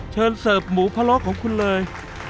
เชิญเสิร์ฟหมูพะโลกของคุณเลย